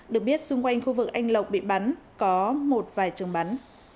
được biết xung quanh khu vực anh lộc bị bắn có một vài trường bắn